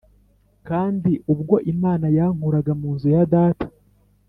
Kandi ubwo Imana yankuraga mu nzu ya data